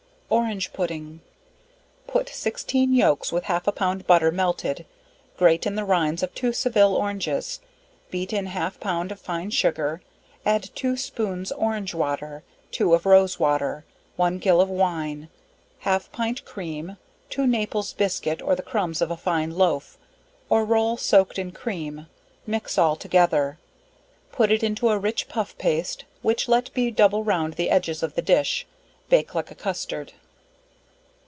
Orange Pudding. Put sixteen yolks with half a pound butter melted, grate in the rinds of two Seville oranges, beat in half pound of fine Sugar, add two spoons orange water, two of rose water, one gill of wine, half pint cream, two naples biscuit or the crumbs of a fine loaf, or roll soaked in cream, mix all together, put it into rich puff paste, which let be double round the edges of the dish; bake like a custard.